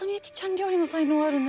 料理の才能あるね。